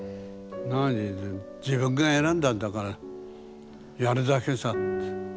なあに自分が選んだんだからやるだけさ。